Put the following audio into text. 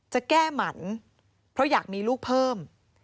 จะแก้หมันเพราะอยากมีลูกเพิ่ม